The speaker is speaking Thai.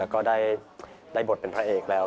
ก็ได้บทเป็นพระเอกแล้ว